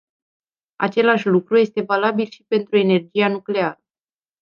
Același lucru este valabil și pentru energia nucleară.